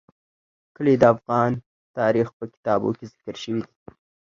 کلي د افغان تاریخ په کتابونو کې ذکر شوی دي.